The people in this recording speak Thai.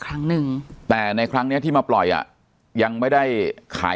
ครั้งหนึ่งแต่ในครั้งเนี้ยที่มาปล่อยอ่ะยังไม่ได้ขาย